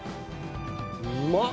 うまっ！